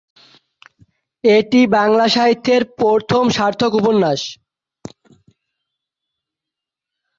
এটি বাংলা সাহিত্যের প্রথম সার্থক উপন্যাস।